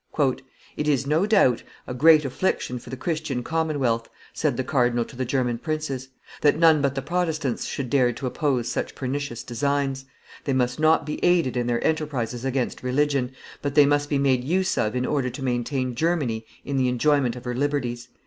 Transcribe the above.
"It is, no doubt, a great affliction for the Christian commonwealth," said the cardinal to the German princes, "that none but the Protestants should dare to oppose such pernicious designs; they must not be aided in their enterprises against religion, but they must be made use of in order to maintain Germany in the enjoyment of her liberties."